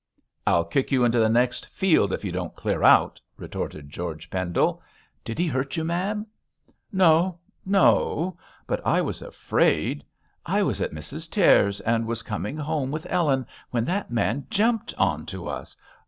'I'll kick you into the next field if you don't clear out,' retorted George Pendle. 'Did he hurt you, Mab?' 'No! no! but I was afraid. I was at Mrs Tears, and was coming home with Ellen, when that man jumped on to us.